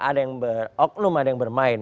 ada yang beroklum ada yang bermain